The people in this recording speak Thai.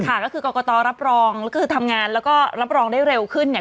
ค่ะก็คือกรกตรับรองแล้วคือทำงานแล้วก็รับรองได้เร็วขึ้นเนี่ย